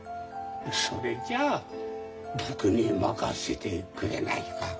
それじゃあ僕に任せてくれないか。